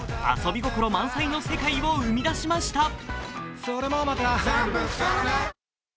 遊び心満載の世界を生み出しました。